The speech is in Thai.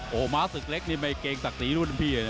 โหภาษึกเล็กดรีงสตะกรีรุ้นพี่เนี่ย